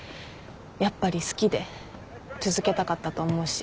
やっぱり好きで続けたかったと思うし。